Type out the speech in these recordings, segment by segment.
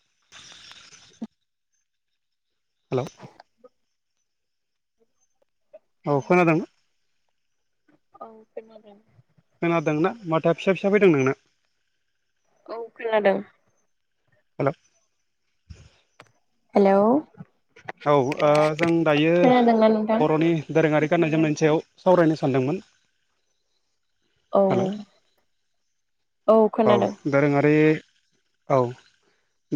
[inaudible] हेल' औ हेल खोनादों औ खोनादों। खोनादोंना माथोआ फिसा फिसा फैदों नोंना। औ खोनादों। हेल' हेल' औ ओ जों दायो खोनादोंना नोंथां? बर'नि दोरोङारि गाननाय जोमनायनि सायाव सावरायनो सानदोंमोन। औ हेल' औ। दोरोङारि औ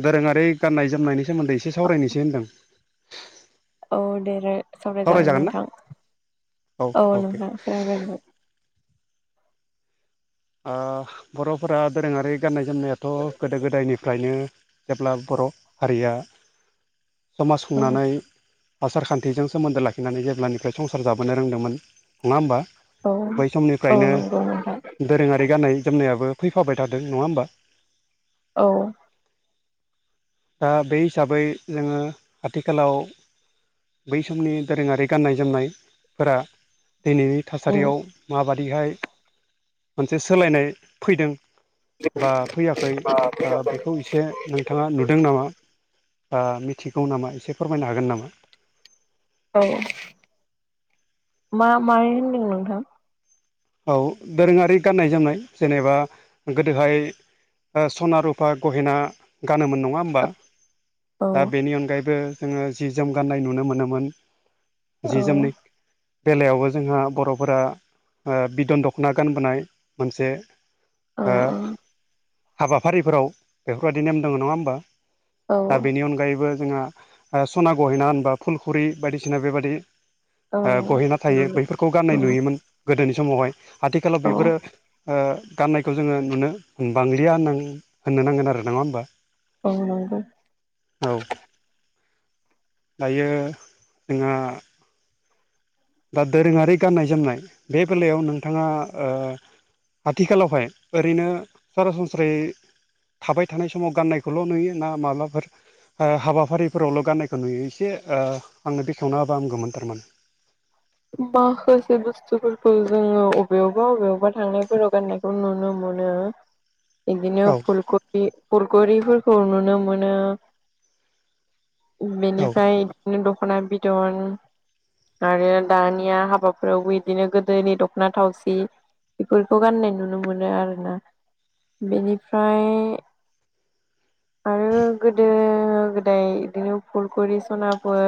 दोरोङारि गाननाय जोमनायनि सोमोन्दै एसे सावरायनोसै होन्दों। औ दे दे सावरायजागोन नोंथां औ नोंथां सावरायगोन। ओ बर'फोरा दोरोङारि गाननाय जोमनायाथ' गोदो गोदायनिफ्रायनो जेब्ला बर' हारिया समाज खुंनानै औ आसार खान्थिजों सोमोन्दो लाखिनानै जेब्लानिफ्राय संसार जाबोनो रोंदोंमोन नङा होमबा? बै औ औ समनिफ्रायनो नंगौ नोंथां दोरोङारि गाननाय जोमनायाबो फैफाबाय थादों नङा होमबा? औ। दा बे हिसाबै जोङो आथिखालाव बै समनि दोरोङारि गाननाय जोमनायफोरा दिनैनि उम थासारियाव माबादिहाय मोनसे सोलायनाय फैदों बा फैयाखै ओ बेखौ एसे नोंथाङा नु दों नामा बा मिथिगौ नामा एसे फोरमायनो हागोन नामा? औ मा मायो होनदों नोंथां? औ दोरोङारि गाननाय जोमनाय जेनेबा गोदोहाय सना रुपा गहेना गानोमोन नङा होमबा औ दा बेनि अनगायैबो जोङो जि जोम गान्नाय नुनो मोनोमोन औ जि जोमनि बेलायावबो जोंहा बर'फोरा बिदन दख'ना गानबोनाय मोनसे औ हाबाफारिफोराव बेफोरबायदि नेम दङ नङा होमबा औ दा बेनि अनगायैबो जोंहा सना गहेना होनबा फुलखुरि बायदिसिना बेबादि औ गहेना थायो बैफोरखौ गाननाय नुयोमोन गोदोनि समावहाय आथिखालाव बेफोरो ओ गाननायखौ जोंङो नुनो बांलिया होननानै होननो नांगोन आरो नङा होमबा औ नंगौ औ दायो जोंहा दा दोरोङारि गाननाय जोमनाय बे बेलायाव नोंथांङा ओ आथिखालावहाय ओरैनो सरासनस्रायै थाबाय थानाय समाव गाननायखौल' नुयो ना माब्लाफोर हाबाफारिफोरावल' गाननायखौ नुयो एसे ओ आंनो बेखेवना होबा हामगौमोन थारमाने माखासे बुस्थुफोरखौ जोंङो अबेयावबा अबेयावबा थांनायफोराव गाननायखौ नुनो मोनो [unintelligible] बिदिनो औ फुलखरि फुलखुरिफोरखौ नुनो मोनो बेनिफ्राय बिदिनो दख'ना बिद'न आरो दानिया हाबाफोरावबो बिदिनो गोदोनि दख'ना थावसि बेफोरखौ गाननाय नुनो मोनो आरोना बेनिफ्राय [unintelligible] आरो गोदो गोदाय इदिनो फुलखुरि सनाफोर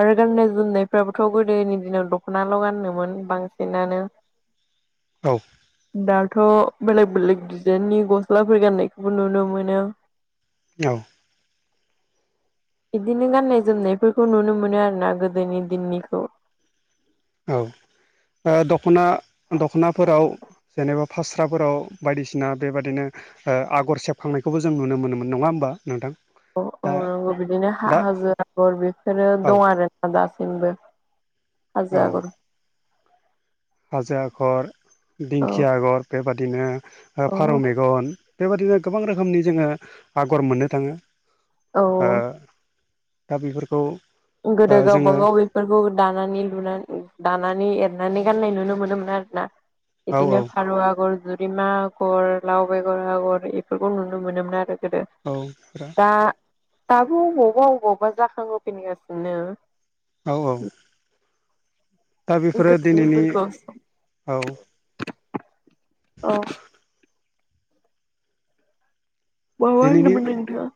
आरो गाननाय जोमनायफ्राबो थ' गोदोनि दिनाव दख'नाल' गानोमोन बांसिनानो औ दाथ' बेलेग बेलेग दिजाइननि गस्लाफोर गान्नायखौबो नुनो मोनो औ बिदिनो गान्नाय जोमनायफोरखौ नुनो मोनो आरो ना गोदोनि दिननि खौ औ ओ दख'ना दख'नाफोराव जेनेबा फास्राफोराव बायदिसिना बेबादिनो ओ आगर सेबखांनायखौबो जों नुनो मोनोमोन नंङा होमबा नोंथां औ औ दा नंगौ बिदिनो हा दा हाजो आगर बेफोरो औ दं आरो दासिमबो औ हाजो आगर हाजो आगर औ दिंखिया आगर बेबादिनो औ फारौ मेगन बेबादिनो गोबां रोखोमनि जोङो आगर मोननो थांङो औ ओ दा बेफोरखौ गोदो ओ गावबा जोङो गाव फोरखौ दानानै लुनानै दानानै एरनानै गाननाय नुनो मोनोमोन आरो ना औ इदिनो औ फारु आगर जुरिमा गर लाव बेगर आगर इफोरखौ नुनो मोनोमोन आरो गोदो औ दा दाबो अबावबा अबावबा जाखांहोफिनगासिनो औ औ दा बेफोरो दिनैनि गोदोनिफोरखौ औ औ माबा दिनैनि होनदोमोन नोंथांआ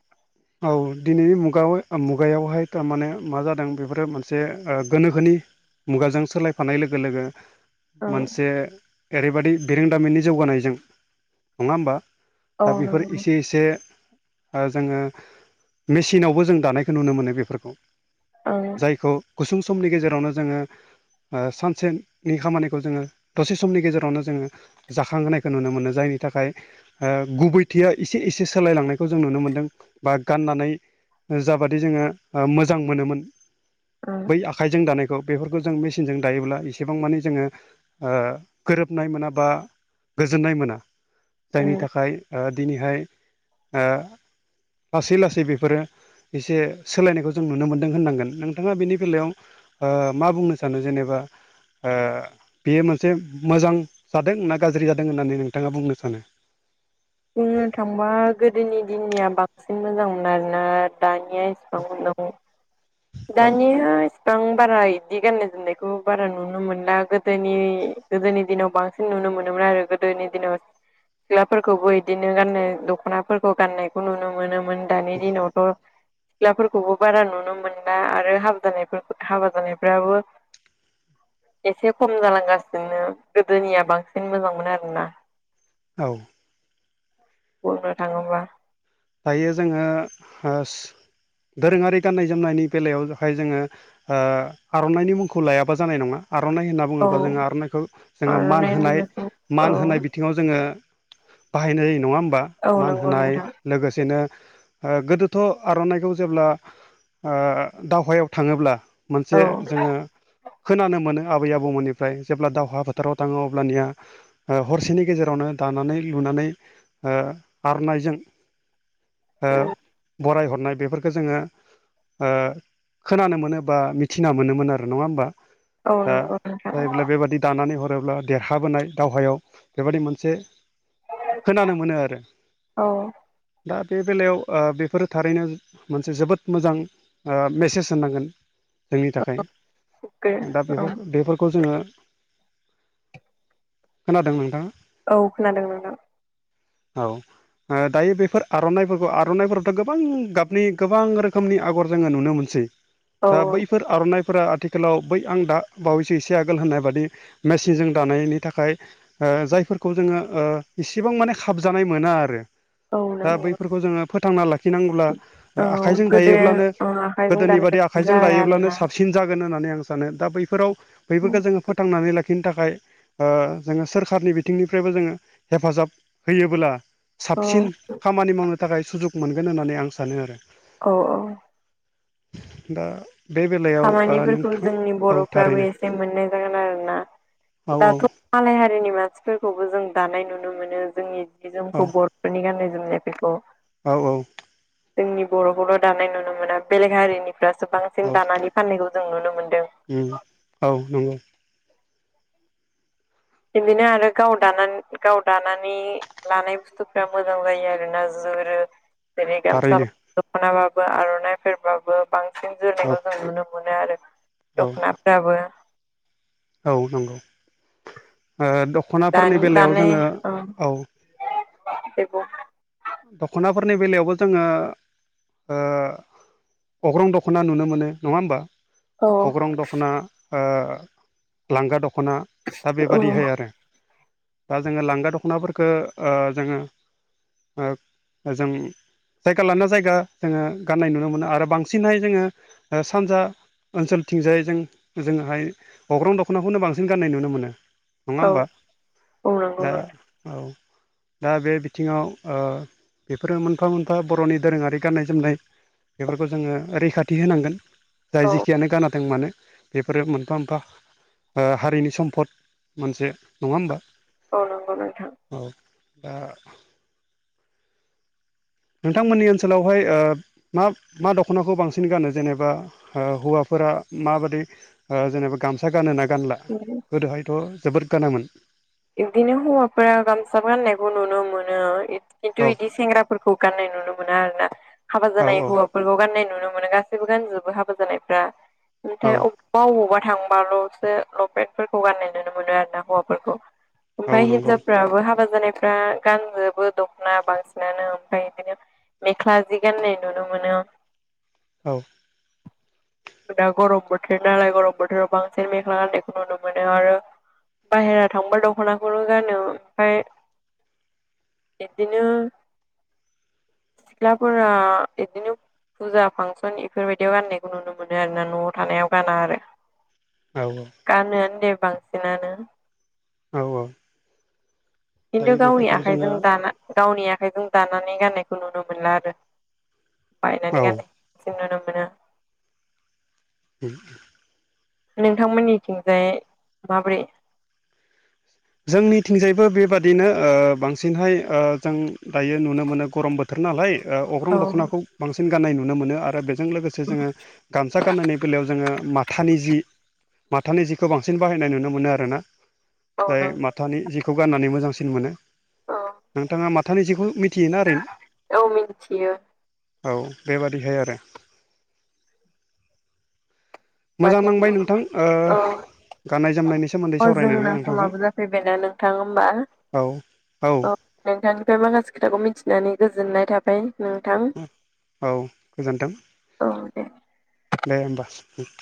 औ दिनैनि मुगाव मुगायावहाय थारमाने मा जादों बेफोरो मोनसे ओ गोनोखोनि मुगाजों सोलायफानाय लोगो लोगो मोनसे औ ओरैबादि बिरोंदामिननि जौगानायजों नंङा होमबा? औ ओ बेफोर नंगौ एसे एसे ओ जोंङो मेसिनावबो जों दानायखौ नुनो मोनो बेफोरखौ ओं जायखौ गुसुं समनि गेजेरावनो जोंङो ओ सानसेनि खामानिखौ जोंङो दसे समनि गेजेरावनो जोंङो जाखांहोनायखौ नुनो मोनो जायनि थाखाय ओ गुबैथिया एसे एसे सोलायलांनायखौ जों नुनो मोनदों। बा गाननानै जाबादि जोंङो ओ मोजां मोनोमोन बै आ खाइजों दानायखौ बेफोरखौ जों मेसिनजों दायोब्ला एसेबां मानि जोङो ओ गोरोबनाय मोना बा गोजोननाय मोना। ओं जायनि थाखाय ओ दिनैहाय ओ लासै लासै बेफोरो एसे सोलायनायखौ जों नुनो मोनदों होननांगोन नोंथाङा बेनि बेलायाव मा बुंनो सानो जेनेबा ओ बेयो मोनसे मोजां जादों ना गाज्रि जादों होननानै नोंथाङा बुंनो सानो? बुंनो थांबा गोदोनि दिननिया बांसिन मोजांमोन आरोना दानिया औ नंगौ औ दानिया बां बारा इदि गाननाय जोमनायखौ बारा नुनो मोनला गोदोनि गोदोनि दिनाव बां नुनो मोनोमोन आरो गोदोनि दिनाव सिख्लाफोरखौबो इदिनो गाननो दख'नाफोरखौ गाननायखौ नुनो मोनोमोन। दानि दिनावथ' सिख्लाफोरखौबो बारा नुनो मोन ला आरो हाबा जानायफोरखो हाबा जानायफ्राबो एसे खम जालांगासिनो गोदोनिया बांसिन मोजांमोन आरोना। औ। बुंनो थाङोब्ला। दायो जोङो होस दोरोङारि गाननाय जोमनायनि बेलायावहाय जोङो ओ आर'नाइनि मुंखौ लायाबा जानाय नङा आर'नाइ होनना औ बुंङोबा जोङो आर'नाइखौ जोङो मान आर'नाइ होनाय होनब्लाथ' मान औ होनाय बि थिङाव जोङो बाहायनाय जायो नङा होमबा? औ मान नंगौ होनाय नोंथां लोगोसेनो ओ गोदोथ' आर'नाइखौ जेब्ला ओ दावहायाव थांङोब्ला मोनसे औ जोङो खोनानो मोनो आबै आबौमोननिफ्राय जेब्ला दावहा फोथाराव थांङो अब्लानिया ओ हरसेनि गेजेरावनो दानानै लुनानै ओ आर'नायजों ओ बराय हरनाय बेफोरखौ जोङो ओ खोनानो मोनो बा मिथिना मोनोमोन आरो नङा होमबा? औ दा नंगौ नोंथां जायोब्ला बेबायदि दानानै हरोब्ला देरहाबोनाय दावहायाव बेबायदि मोनसे खोनानो मोनो आरो। औ। दा बे बेलायाव ओ बेफोरो थारैनो मोनसे जोबोद मोजां। ओ मेसेज होनांगोन। जोंनि थाखाय दा बेफोरखो बेफोरखौ जोङो खोनादों नोंथाङा? औ खोनादों नोंथां। औ ओ दायो बे फोर आर'नाइफोरखौ आर'नाइफोरावथ' गोबां गाबनि गोबां रोखोमनि आगर जोङो नुनो मोनसै। औ दा बैफोर आर'नाइ फोरा आथिखालाव बै आं दा बावैसो एसे आगोल होननाय बादि मेसिनजों दानायनि थाखाय ओ जायफोरखौ जोङो ओ इसेबां माने खाबजानाय मोना आरो। औ दा नंगौ बैफोरखौ जोङो फोथांना लाखिनांगौब्ला औ आखाइजों गोदो दायोब्लानो ओ आखाइजों गोदोनि दानाय बादि आखाइजों जाया दायोब्लानो आरोना साब सिन जागोन होननानै आं सानो दा बैफोराव बैफोरखौ जोङो फोथांनानै लाखिनो थाखाय जोङो सोरखारनि बिथिंनिफ्रायबो जोङो हेफाजाब होयोबोब्ला औ साबसिन खामानि मावनो थाखाय सुजुग मोनगोन होननानै आं सानो आरो औ औ दा बे बेलायाव खामानिफोरखौ नोंथाङ जोंनि औ बर'फ्राबो थारैनो एसे मोननाय जागोन आरोना औ औ दाथ' मालाय हारिनि मानसिफोरखौबो जों दानाय नुनो मोनो जोंनि जि जोंखौ बर' बेनि गाननाय जोमनाय बेखौ औ औ जोंनि बर'खौल' दानाय नुनो मोना बेलेग हारिनिफ्रासो औ बांसिन दानानै फाननायखौ जों नुनो मोन्दों औ नंगौ बिदिनो आरो गाव द गाव दानानै लानाय बुस्थुफ मोजां जायो आरोोना जोरो जेरै गामसा थारैनो दखनााबाबो आर'नाइफोरेरबाबो बांसिन औ जोरनायखौ जों नुनो मोनो मोनो आरो औ दख'नाफ्राबो औ नंगौ दख'नाफोरनि बेलायाव जोङो औ बेबो दख'नाफोरनि बेलायावबो जोङो अख्रं दख'ना नुनो मोनो नङा होमबा औ अग्रं दख'ना ला दख'ना दा बेबादिहाय औ आरो दा जोङो लांगा दख'नाफोरखौ जोङो जों जायगा लाना जायगा जोङो गाननाय नुनो मोनो आरो बांसिनहाय जोङो सानजा ओनसोलथिंजायजों जोंहाय हग्रां दख'नाखौनो बांसिन गाननाय नुनो मोनो नङा औ होमबा औ नंगौ दा नोंथां औ दा बे बिथिङाव ओ बेफोरो मोनफा मोनफा बर'नि दोरोङारि गाननाय जोमनाय बेफोरखौ जोङो रैखाथि होनांगोन जाय औ जेखियानो गानादों मानो बेफोरो मोनफा मोनफा हारिनि सम्फद मोनसे नङा होमबा औ नंगौ नोंथा औ दा नोंथांमोननि ओनसोलावहाय मा मा दख'नाखौ बांसिन गानो जेनेबा हौवाफोरा माबादि जेनेबा गामसा गानोना गानला उम गोदोहायथ' जोबोद गानामोन बिदिनो हौवाफोरा गामसा गाननायखौ नुनो मोनो खिन्थु औ बिदि सेंग्रा फोरखौ गाननाय नुनो मोना आर ना हाबा जानाय औ हौवा फुलबाव गाननाय नुनो मोनो गासैबो गानजोबो हाबो जानायफ्रा औ ओमफ्राय अबाबावबा थांबाल'सो लपेटफोरखौ गाननाय नुनो मोनो आरो ना हौवाफोरखौ औ ओमफाय नंगौ हिनजावफ्राबो हाबा जानायफ्रा गानजोबो दख'ना बांसिनानो ओमफ्राय बिदिनो मेख्ला जि गाननाय नुनो मोनो औ दा गरम बोथोर नालाय गरम बोथोराव बांसिन मेख्ला गान्नायखौ नुनो मोनो आरो बाहेरा थांब दख'नाखौनो गानो ओमफाय एदिनो सिख्लाफोरा बिदिनो फुजा फांसन इफोरबायदियाव गान्नायखौ नुनो मोनो मोनो आरोन न'आव थानायाव गाना आरो औ औ गानोआानो दे बांसिनानो औ औ खिन्थु दायो गावनि बेफोरखौ जोङो आखाइजों दाना गावनि आखाइजों दानानै गाननायखौ नुनो मोनला आरो बायनानै औ गाननाय जों नुनो मोनो। उम। नोंथांमोननिथिंजाय माब्रै जोंनिथिंजायबो बेबादिनो ओ बांसिनहाय ओ जों दायो नुनो मोनो गरम बोथोर नालाय ओ अग्रं औ दख'नाखौ बांसिन गाननाय नुनो मोनो आरो बे बेजों लोगोंसे जोङो गामा गान्नायनि बेलायाव जोङो मा थानि जि माथानि जिखौ बांसिन बाहायनाय नुनो मोनो आरो ना। औ जाय नों माथानि जिखौ गान्नानै मोजांसिन मोनो औ नोंथाङा माथानि जिखौ मि थियोना औ मिथियो ओरैनो औ बेबादिहाय आरो। मोजां माथो नांबाय नोंथां ओ औ गाननाय जोमनायनि सोमोन्दै अ जोंना सावरायनानै नोंथांजों समाबो जाफैबायना नोंथां होमबा औ औ। औ नोंथांनिफ्राय माखासे खोथाखौ मिथिनानै गोजोननाय थाबाय। नोंथां औ गोजोन्थों औ दे। दे होमबा उम।